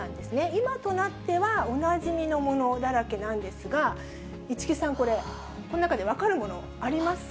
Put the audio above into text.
今となってはおなじみのものだらけなんですが、市來さん、これ、分かるもの？